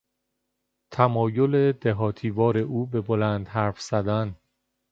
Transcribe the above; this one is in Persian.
تمایل دهاتیوار او به بلند حرف زدن